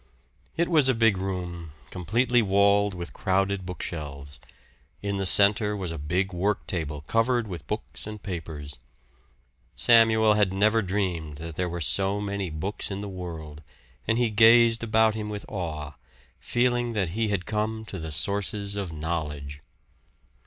It was a big room, completely walled with crowded bookshelves; in the center was a big work table covered with books and papers. Samuel had never dreamed that there were so many books in the world, and he gazed about him with awe, feeling that he had come to the sources of knowledge.